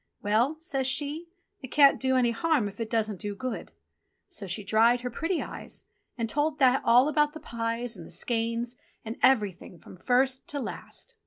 "Well," says she, "it can't do any harm if it doesn't do good." So she dried her pretty eyes and told That all about the pies, and the skeins, and everything from first to last.